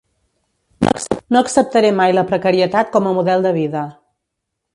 No acceptaré mai la precarietat com a model de vida.